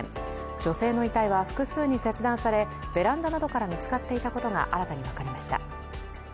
女性の遺体は複数に切断されベランダなどから見つかっていたことが新たに分かりました。